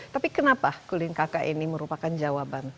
tapi kenapa kulin kk ini merupakan jawaban